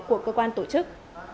của cơ quan tổ chức